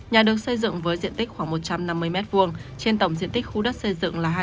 nhà được xây dựng với diện tích khoảng một trăm năm mươi m hai trên tổng diện tích khu đất xây dựng là hai trăm linh năm m hai